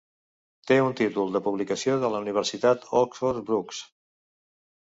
Té un títol de publicació de la Universitat Oxford Brookes.